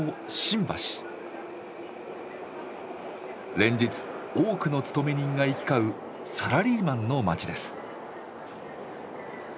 連日多くの勤め人が行き交う「サラリーマンの街」です。